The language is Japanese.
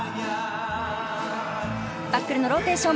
バックルのローテーション。